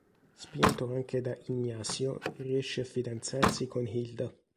Spinto anche da Ignacio, riesce a fidanzarsi con Hilda.